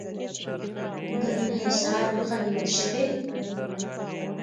د انحصار مخه نیول شوې؟